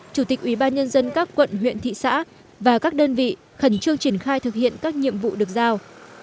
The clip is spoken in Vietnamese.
chủ tịch ủy ban nhân dân các quận huyện thị xã và các đơn vị khẩn trương triển khai thực hiện các nhiệm vụ được giao